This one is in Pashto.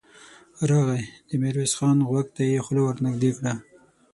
راغی، د ميرويس خان غوږ ته يې خوله ور نږدې کړه.